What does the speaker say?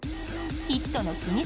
ヒットの秘密